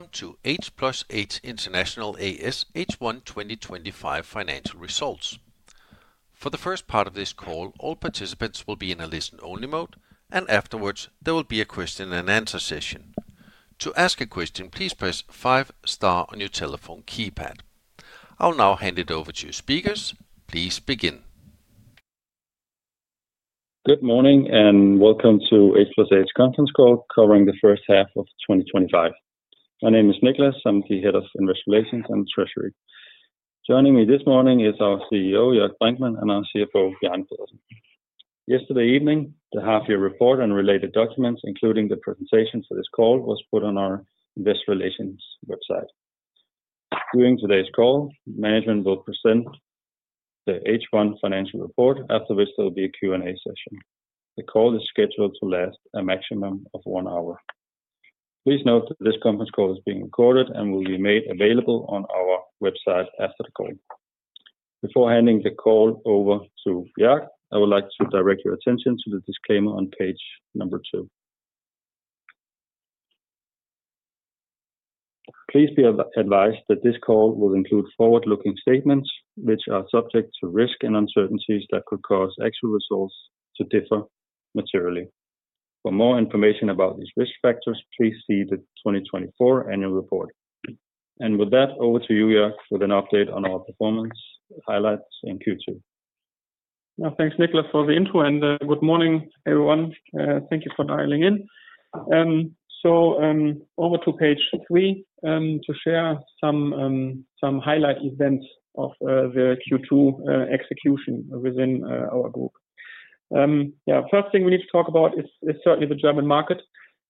Welcome to H+H International A/S H1 2025 Financial Results. For the first part of this call, all participants will be in a listen-only mode. Afterwards, there will be a question and answer session. To ask a question, please press five star on your telephone keypad. I'll now hand it over to speakers. Please begin. Good morning and welcome to H+H International A/S's Conference Call covering the first half of 2025. My name is Niclas. I'm the Head of Investor Relations and Treasury. Joining me this morning is our CEO, Jörg Brinkmann, and our CFO, Bjarne Pedersen. Yesterday evening, the half-year report and related documents, including the presentation for this call, were put on our Investor Relations website. During today's call, management will present the H1 financial report, after which there will be a Q&A session. The call is scheduled to last a maximum of one hour. Please note that this conference call is being recorded and will be made available on our website after the call. Before handing the call over to Bjarne, I would like to direct your attention to the disclaimer on page number two. Please be advised that this call will include forward-looking statements, which are subject to risk and uncertainties that could cause actual results to differ materially. For more information about these risk factors, please see the 2024 annual report. With that, over to you, Jörg, with an update on our performance highlights in Q2. Thanks, Niclas, for the intro, and good morning, everyone. Thank you for dialing in. Over to page three to share some highlight events of the Q2 execution within our group. The first thing we need to talk about is certainly the German market.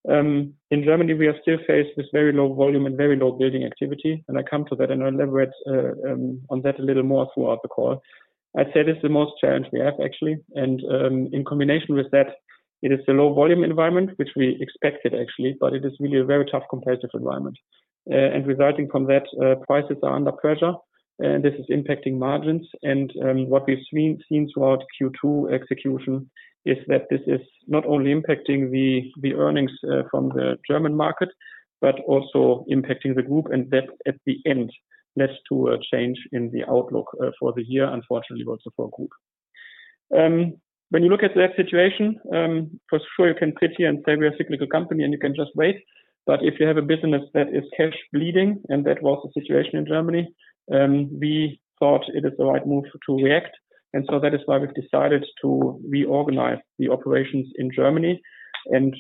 In Germany, we are still faced with very low volume and very low building activity. I come to that and I leverage on that a little more throughout the call. I'd say this is the most challenge we have, actually. In combination with that, it is a low-volume environment, which we expected, actually, but it is really a very tough competitive environment. Resulting from that, prices are under pressure, and this is impacting margins. What we've seen throughout Q2 execution is that this is not only impacting the earnings from the German market, but also impacting the group, and that at the end led to a change in the outlook for the year, unfortunately, also for the group. When you look at that situation, for sure, you can pitch here and say we are a cyclical company and you can just wait. If you have a business that is cash bleeding, and that was the situation in Germany, we thought it is the right move to react. That is why we've decided to reorganize the operations in Germany.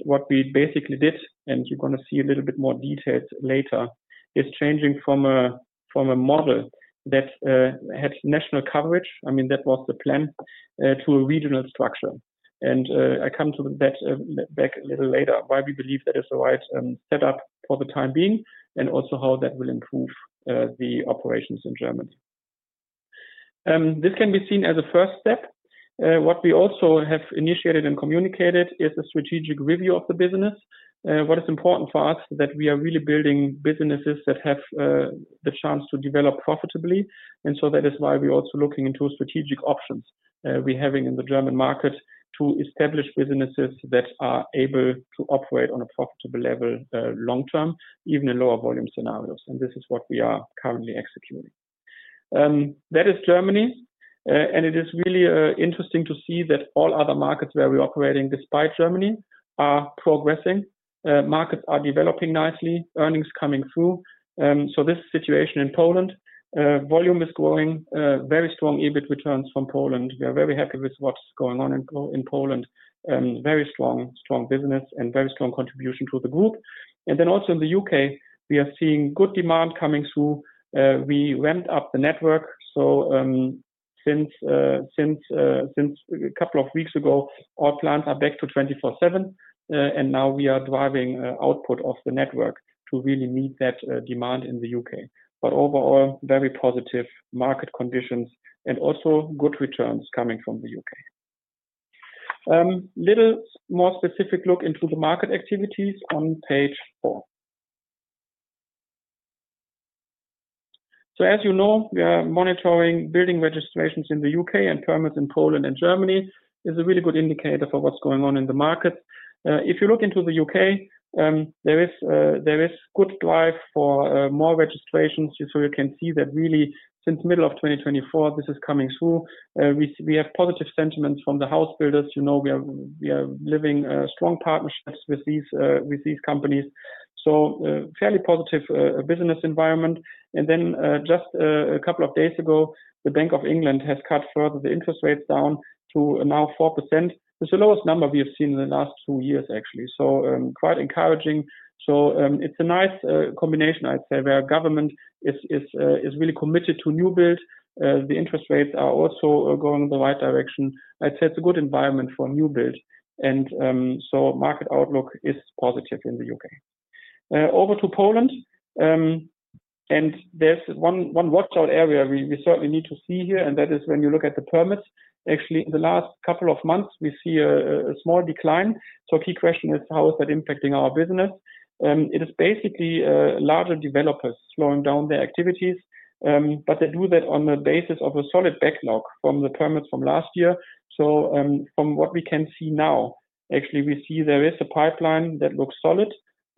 What we basically did, and you're going to see a little bit more details later, is changing from a model that had national coverage. I mean, that was the plan to a regional structure. I come to that back a little later, why we believe that is the right setup for the time being, and also how that will improve the operations in Germany. This can be seen as a first step. What we also have initiated and communicated is the strategic review of the business. What is important for us is that we are really building businesses that have the chance to develop profitably. That is why we're also looking into strategic options we're having in the German market to establish businesses that are able to operate on a profitable level long term, even in lower volume scenarios. This is what we are currently executing. That is Germany, and it is really interesting to see that all other markets where we're operating, despite Germany, are progressing. Markets are developing nicely, earnings coming through. This situation in Poland, volume is growing, very strong EBIT returns from Poland. We are very happy with what's going on in Poland. Very strong, strong business and very strong contribution to the group. Also in the U.K., we are seeing good demand coming through. We ramped up the network. Since a couple of weeks ago, our plants are back to 24/7, and now we are driving output of the network to really meet that demand in the U.K. Overall, very positive market conditions and also good returns coming from the U.K. A little more specific look into the market activities on page four. As you know, we are monitoring building registrations in the U.K. and permits in Poland and Germany. It's a really good indicator for what's going on in the market. If you look into the U.K., there is good drive for more registrations. You can see that really since the middle of 2024, this is coming through. We have positive sentiments from the house builders. We are living strong partnerships with these companies. A fairly positive business environment. Just a couple of days ago, the Bank of England has cut further the interest rates down to now 4%. It's the lowest number we have seen in the last two years, actually. Quite encouraging. It's a nice combination, I'd say, where government is really committed to new build. The interest rates are also going in the right direction. I'd say it's a good environment for new build. Market outlook is positive in the U.K. Over to Poland. There is one watch-out area we certainly need to see here, and that is when you look at the permits. Actually, in the last couple of months, we see a small decline. A key question is how is that impacting our business? It is basically larger developers slowing down their activities. They do that on the basis of a solid backlog from the permits from last year. From what we can see now, actually, we see there is a pipeline that looks solid.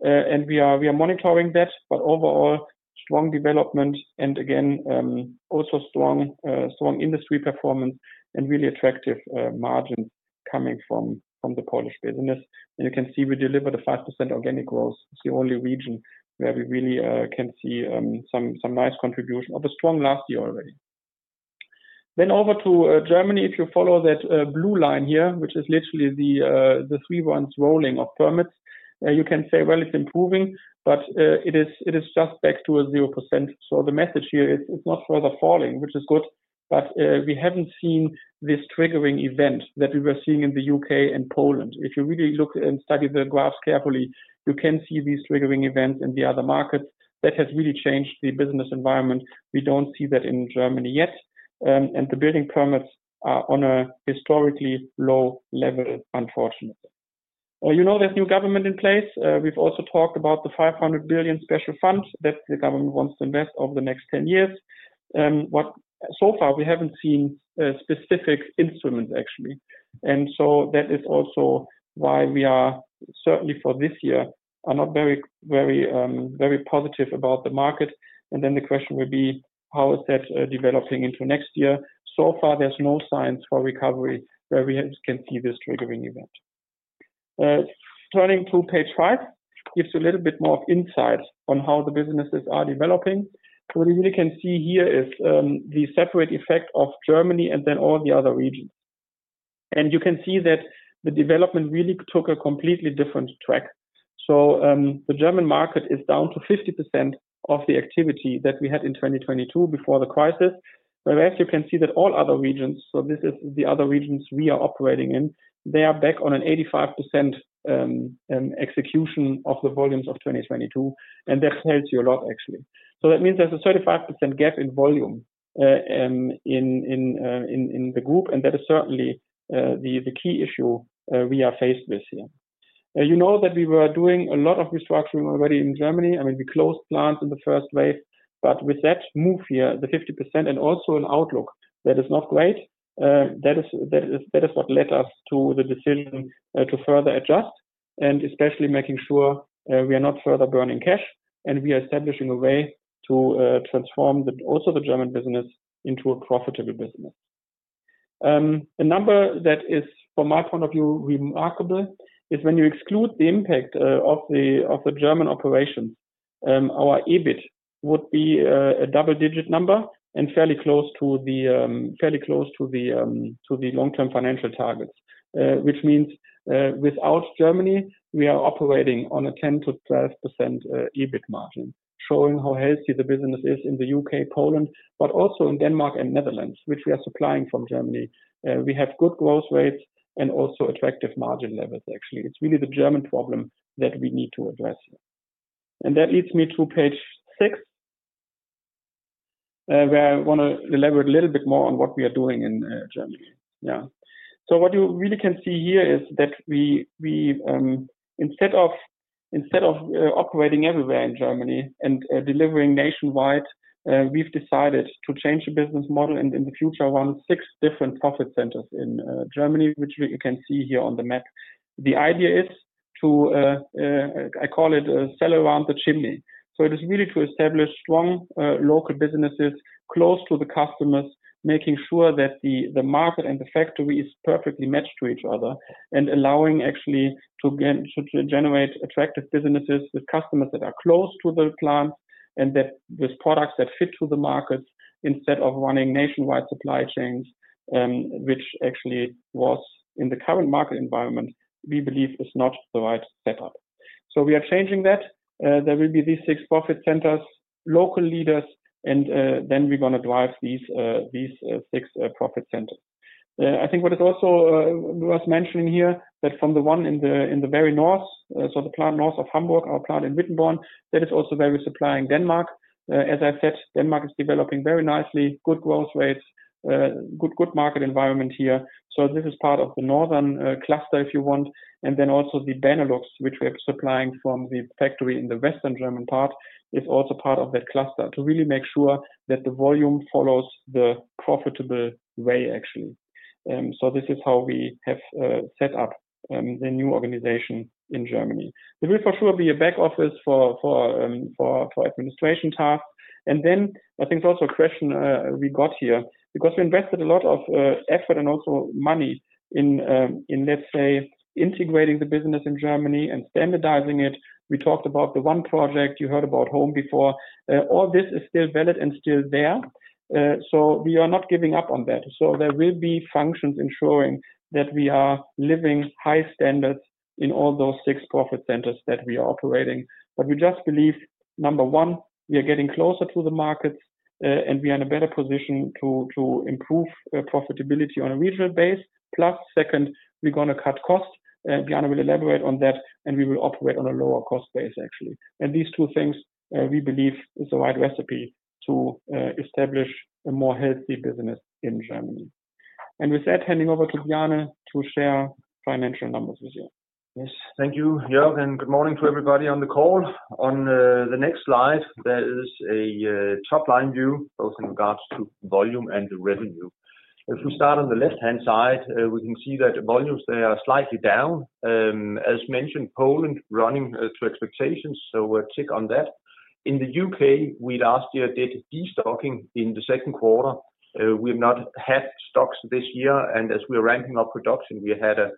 We are monitoring that. Overall, strong development and again, also strong industry performance and really attractive margins coming from the Polish business. You can see we delivered a 5% organic growth. It's the only region where we really can see some nice contribution of a strong last year already. Over to Germany, if you follow that blue line here, which is literally the three months rolling of permits, you can say it's improving, but it is just back to a 0%. The message here is it's not further falling, which is good. We haven't seen this triggering event that we were seeing in the U.K. and Poland. If you really look and study the graphs carefully, you can see these triggering events in the other markets. That has really changed the business environment. We don't see that in Germany yet. The building permits are on a historically low level, unfortunately. There's new government in place. We've also talked about the 500 billion special fund that the government wants to invest over the next 10 years. So far, we haven't seen specific instruments, actually. That is also why we are certainly for this year not very, very, very positive about the market. The question will be, how is that developing into next year? So far, there's no signs for recovery where we can see this triggering event. Turning to page five gives you a little bit more of insight on how the businesses are developing. What you really can see here is the separate effect of Germany and then all the other regions. You can see that the development really took a completely different track. The German market is down to 50% of the activity that we had in 2022 before the crisis, whereas you can see that all other regions, so this is the other regions we are operating in, they are back on an 85% execution of the volumes of 2022. That tells you a lot, actually. That means there's a 35% gap in volume in the group. That is certainly the key issue we are faced with here. You know that we were doing a lot of restructuring already in Germany. I mean, we closed plants in the first wave. With that move here, the 50% and also an outlook that is not great, that is what led us to the decision to further adjust and especially making sure we are not further burning cash. We are establishing a way to transform also the German business into a profitable business. A number that is, from my point of view, remarkable is when you exclude the impact of the German operation. Our EBIT would be a double-digit number and fairly close to the long-term financial targets, which means without Germany, we are operating on a 10%-12% EBIT margin, showing how healthy the business is in the UK, Poland, but also in Denmark and Netherlands, which we are supplying from Germany. We have good growth rates and also attractive margin levels, actually. It's really the German problem that we need to address. That leads me to page six, where I want to elaborate a little bit more on what we are doing in Germany. Yeah. What you really can see here is that we, instead of operating everywhere in Germany and delivering nationwide, have decided to change the business model and in the future run six different profit centers in Germany, which you can see here on the map. The idea is to, I call it, sell around the chimney. It is really to establish strong local businesses close to the customers, making sure that the market and the factory are perfectly matched to each other and allowing actually to generate attractive businesses with customers that are close to the plants and with products that fit to the markets instead of running nationwide supply chains, which actually was, in the current market environment, we believe, not the right setup. We are changing that. There will be these six profit centers, local leaders, and then we are going to drive these six profit centers. I think what also was mentioned here is that from the one in the very north, so the plant north of Hamburg, our plant in Wittenborn, that is also supplying Denmark. As I've said, Denmark is developing very nicely, good growth rates, good market environment here. This is part of the northern cluster, if you want. Also, the Benelux, which we are supplying from the factory in the western German part, is also part of that cluster to really make sure that the volume follows the profitable way, actually. This is how we have set up the new organization in Germany. There will for sure be a back office for administration tasks. I think it's also a question we got here because we invested a lot of effort and also money in, let's say, integrating the business in Germany and standardizing it. We talked about the one project. You heard about home before. All this is still valid and still there. We are not giving up on that. There will be functions ensuring that we are living high standards in all those six profit centers that we are operating. We just believe, number one, we are getting closer to the markets and we are in a better position to improve profitability on a regional base. Plus, second, we are going to cut costs. Bjarne will elaborate on that and we will operate on a lower cost base, actually. These two things we believe are the right recipe to establish a more healthy business in Germany. With that, handing over to Bjarne to share financial numbers with you. Yes, thank you, Jörg, and good morning to everybody on the call. On the next slide, there is a top line view both in regards to volume and revenue. If we start on the left-hand side, we can see that volumes there are slightly down. As mentioned, Poland is running to expectations. A tick on that. In the U.K., we last year did destocking in the second quarter. We have not had stocks this year, and as we are ramping up production, we had a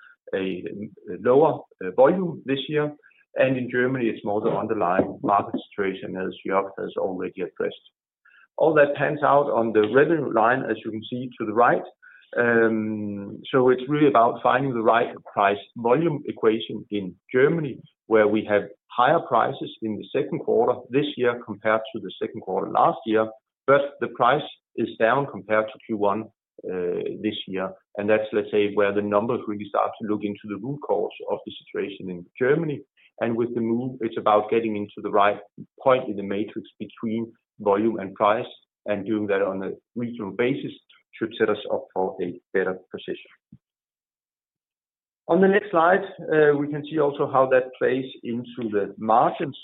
lower volume this year. In Germany, it is more the underlying market situation as Jörg has already addressed. All that pans out on the revenue line, as you can see to the right. It is really about finding the right price-volume equation in Germany, where we have higher prices in the second quarter this year compared to the second quarter last year, but the price is down compared to Q1 this year. That is where the numbers really start to look into the root cause of the situation in Germany. With the move, it is about getting into the right point in the matrix between volume and price and doing that on a regional basis should set us up for a better position. On the next slide, we can see also how that plays into the margins.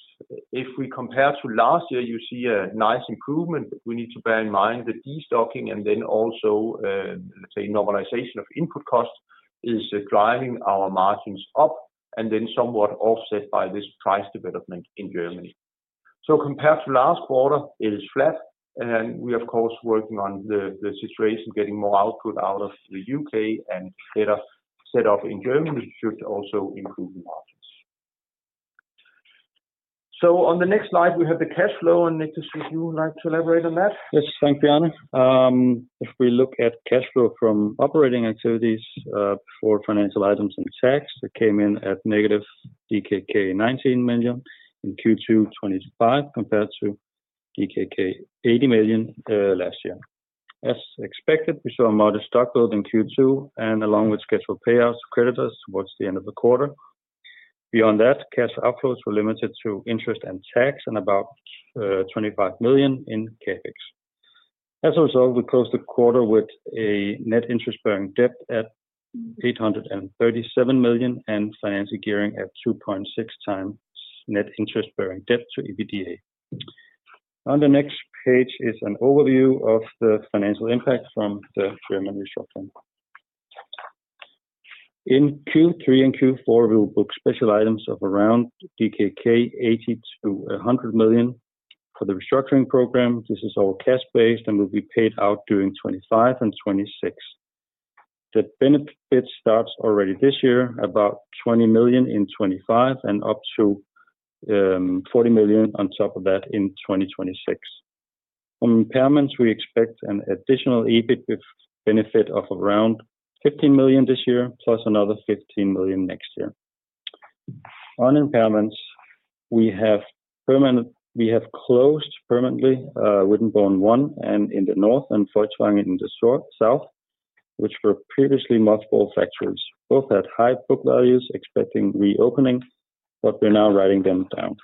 If we compare to last year, you see a nice improvement. We need to bear in mind that destocking and then also normalization of input costs is driving our margins up and then somewhat offset by this price development in Germany. Compared to last quarter, it is flat. We are, of course, working on the situation, getting more output out of the U.K. and a better setup in Germany should also improve the margins. On the next slide, we have the cash flow. Niclas, would you like to elaborate on that? Yes, thanks, Bjarne. If we look at cash flow from operating activities before financial items and tax, it came in at -19 million DKK in Q2 2025 compared to DKK 80 million last year. As expected, we saw a modest stock load in Q2 along with scheduled payouts of creditors towards the end of the quarter. Beyond that, cash outflows were limited to interest and tax and about 25 million in CapEx. As a result, we closed the quarter with net interest-bearing debt at 837 million and financial gearing at 2.6x net interest-bearing debt to EBITDA. On the next page is an overview of the financial impact from the German restructuring plan. In Q3 and Q4, we will book special items of around 80 million-100 million DKK for the restructuring program. This is all cash-based and will be paid out during 2025 and 2026. The benefit starts already this year, about 20 million in 2025 and up to 40 million on top of that in 2026. On impairments, we expect an additional EBIT benefit of around 15 million this year, plus another 15 million next year. On impairments, we have closed permanently Wittenborn 1 in the north and another plant in the south, which were previously multiple factories. Both had high book values, expecting reopening, but we're now writing them down.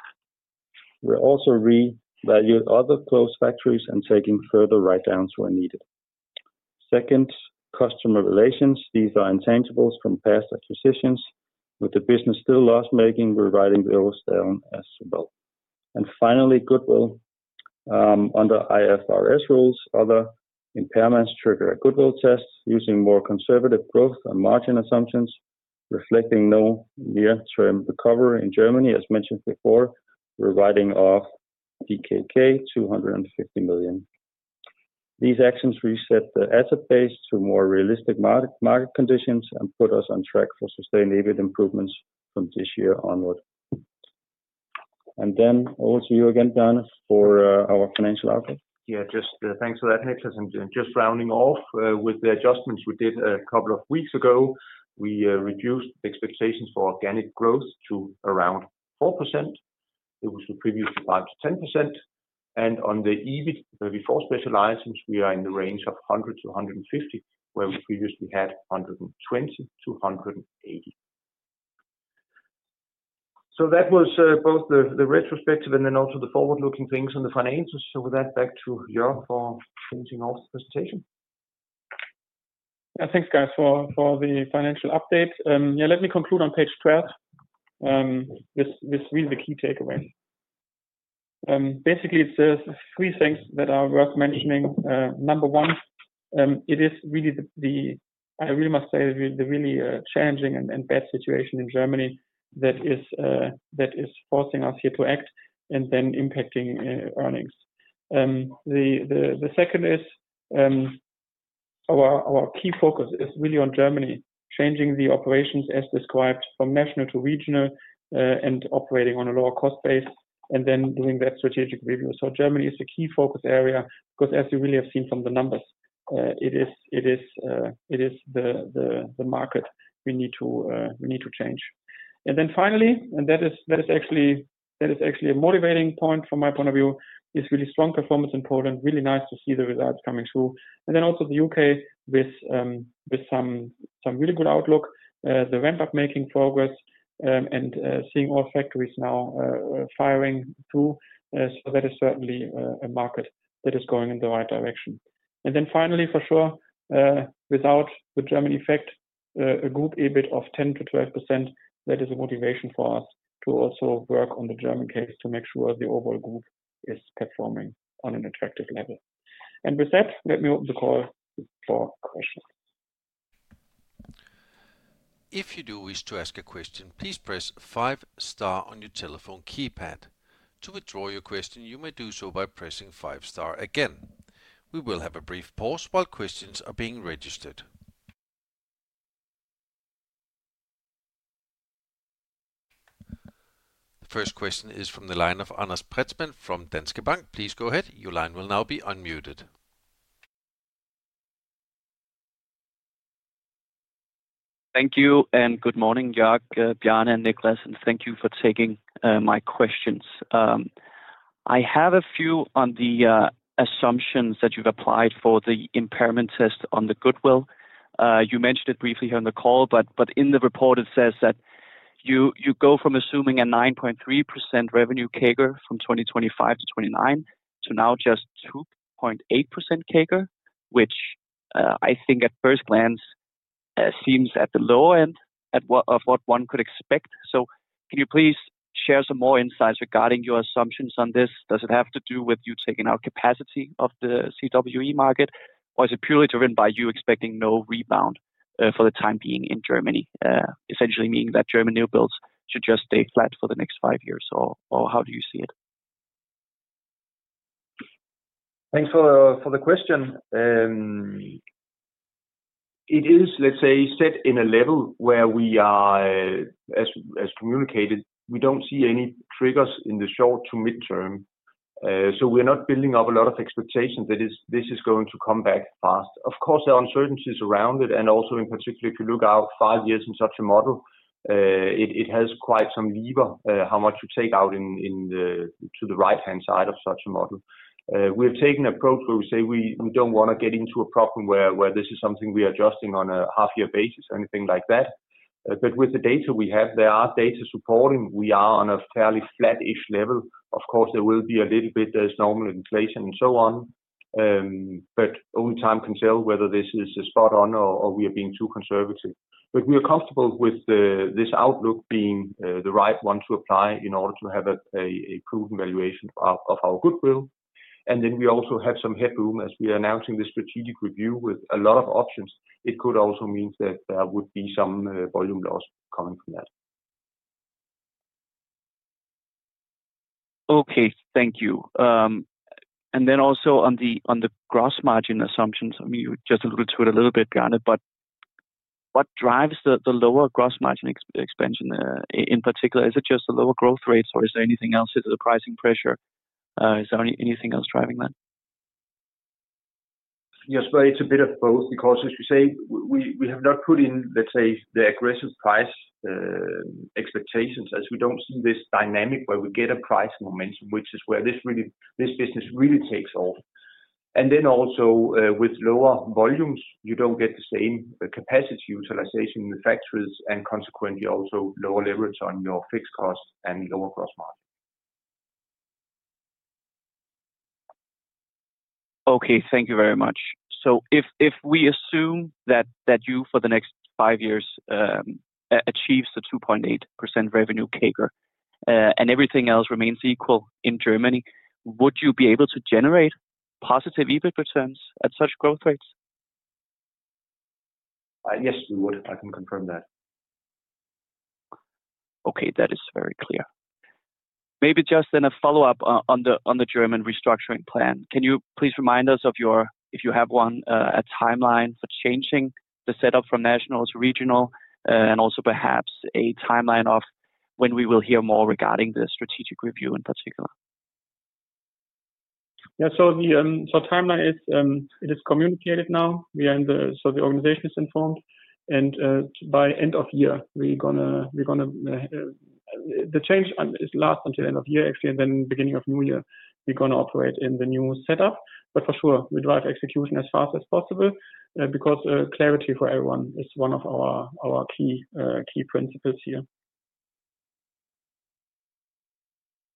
We're also revaluing other closed factories and taking further write-downs where needed. Second, customer relations, these are intangibles from past acquisitions. With the business still loss-making, we're writing those down as well. Finally, goodwill under IFRS rules, other impairments trigger a goodwill test using more conservative growth and margin assumptions, reflecting no near-term recovery in Germany. As mentioned before, we're writing off DKK 250 million. These actions reset the asset base to more realistic market conditions and put us on track for sustained EBIT improvements from this year onward. Over to you again, Bjarne, for our financial outlook. Thanks for that, Niclas. Just rounding off with the adjustments we did a couple of weeks ago, we reduced expectations for organic growth to around 4%. It was the previous 5%-10%. On the EBIT before special items, we are in the range of 100-150, where we previously had 120-180. That was both the retrospective and also the forward-looking things on the financials. With that, back to Jörg for finishing off the presentation. Yeah, thanks, guys, for the financial update. Let me conclude on page 12. This is really the key takeaway. Basically, it's three things that are worth mentioning. Number one, it is really the, I really must say, the really challenging and bad situation in Germany that is forcing us here to act and then impacting earnings. The second is our key focus is really on Germany, changing the operations as described from national to regional and operating on a lower cost base, and then doing that strategic review. Germany is the key focus area because, as you really have seen from the numbers, it is the market we need to change. Finally, and that is actually a motivating point from my point of view, is really strong performance in Poland. Really nice to see the results coming through. Also the U.K. with some really good outlook. The ramp-up making progress and seeing all factories now firing through. That is certainly a market that is going in the right direction. Finally, for sure, without the German effect, a group EBIT of 10%-12%, that is a motivation for us to also work on the German case to make sure the overall group is performing on an attractive level. With that, let me open the call for questions. If you do wish to ask a question, please press five star on your telephone keypad. To withdraw your question, you may do so by pressing five star again. We will have a brief pause while questions are being registered. The first question is from the line of Anders Preetzmann from Danske Bank. Please go ahead. Your line will now be unmuted. Thank you and good morning, Jörg, Bjarne, and Niclas. Thank you for taking my questions. I have a few on the assumptions that you've applied for the impairment test on the goodwill. You mentioned it briefly here on the call, but in the report, it says that you go from assuming a 9.3% revenue CAGR from 2025 to 2029 to now just 2.8% CAGR, which I think at first glance seems at the lower end of what one could expect. Can you please share some more insights regarding your assumptions on this? Does it have to do with you taking out capacity of the CWE market, or is it purely driven by you expecting no rebound for the time being in Germany, essentially meaning that German new builds should just stay flat for the next five years, or how do you see it? Thanks for the question. It is, let's say, set in a level where we are, as communicated, we don't see any triggers in the short to mid-term. We are not building up a lot of expectations that this is going to come back fast. Of course, there are uncertainties around it. In particular, if you look out five years in such a model, it has quite some lever how much you take out to the right-hand side of such a model. We have taken an approach where we say we don't want to get into a problem where this is something we are adjusting on a half-year basis or anything like that. With the data we have, there are data supporting we are on a fairly flat-ish level. There will be a little bit as normal inflation and so on. Only time can tell whether this is spot on or we are being too conservative. We are comfortable with this outlook being the right one to apply in order to have a prudent valuation of our goodwill. We also have some headroom as we are announcing the strategic review with a lot of options. It could also mean that there would be some volume loss coming from that. Okay, thank you. Also, on the gross margin assumptions, you just alluded to it a little bit, Bjarne, but what drives the lower gross margin expansion in particular? Is it just the lower growth rates, or is there anything else? Is it the pricing pressure? Is there anything else driving that? Yes, it's a bit of both because, as we say, we have not put in, let's say, the aggressive price expectations as we don't see this dynamic where we get a price momentum, which is where this business really takes off. Also, with lower volumes, you don't get the same capacity utilization in the factories and consequently also lower leverage on your fixed cost and lower gross margin. Thank you very much. If we assume that you for the next five years achieve the 2.8% revenue CAGR and everything else remains equal in Germany, would you be able to generate positive EBIT returns at such growth rates? Yes, we would. I can confirm that. Okay, that is very clear. Maybe just a follow-up on the German restructuring plan. Can you please remind us of your, if you have one, a timeline for changing the setup from national to regional and also perhaps a timeline of when we will hear more regarding the strategic review in particular? Yeah, the timeline is, it is communicated now. The organization is informed. By end of year, the change lasts until end of year, actually, and then beginning of new year, we're going to operate in the new setup. For sure, we drive execution as fast as possible because clarity for everyone is one of our key principles here.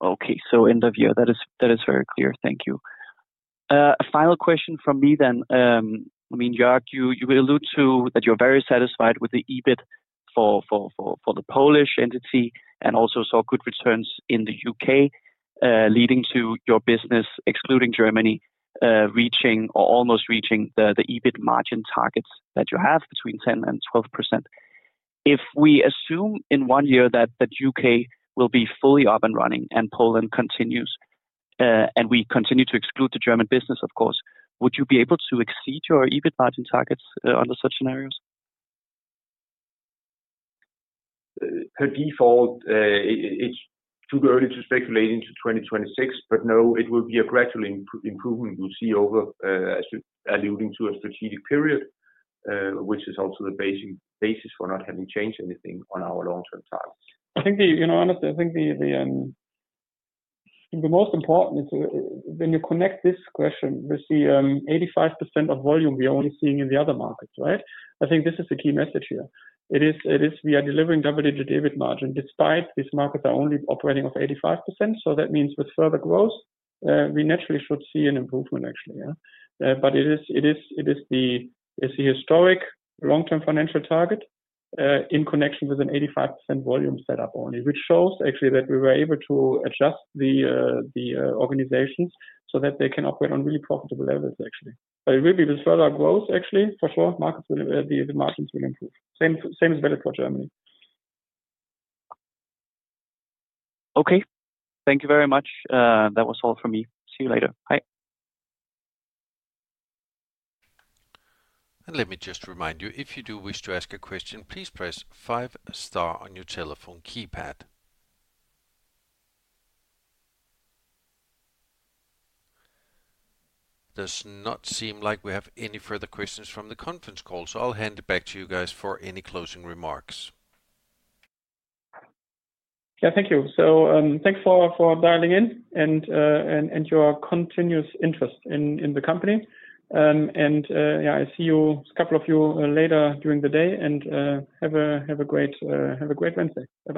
Okay, so end of year. That is very clear. Thank you. A final question from me then. I mean, Jörg, you alluded to that you're very satisfied with the EBIT for the Polish entity and also saw good returns in the UK, leading to your business, excluding Germany, reaching or almost reaching the EBIT margin targets that you have between 10% and 12%. If we assume in one year that the UK will be fully up and running and Poland continues, and we continue to exclude the German business, of course, would you be able to exceed your EBIT margin targets under such scenarios? It could be for all. It's too early to speculate into 2026, but no, it will be a gradual improvement we'll see over, as you alluded to, a strategic period, which is also the basis for not having changed anything on our long-term targets. I think the most important is when you connect this question with the 85% of volume we are only seeing in the other markets, right? I think this is the key message here. It is we are delivering double-digit EBIT margin despite these markets are only operating off 85%. That means with further growth, we naturally should see an improvement, actually. It is the historic long-term financial target in connection with an 85% volume setup only, which shows actually that we were able to adjust the organizations so that they can operate on really profitable levels, actually. It will be with further growth, actually. For sure, market margins will improve. Same is valid for Germany. Okay, thank you very much. That was all from me. See you later. Bye. Let me just remind you, if you do wish to ask a question, please press five star on your telephone keypad. It does not seem like we have any further questions from the conference call, so I'll hand it back to you guys for any closing remarks. Thank you. Thanks for dialing in and your continuous interest in the company. I see a couple of you later during the day, and have a great Wednesday. Bjarne.